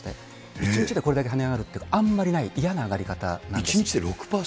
１日でこれだけはね上がるってあんまりない、嫌な上がり方なんで１日で６％？